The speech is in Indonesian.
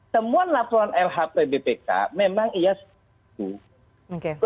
semua laporan lhpbpk memang iya setuju